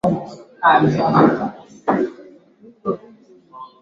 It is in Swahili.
Densi la sakati.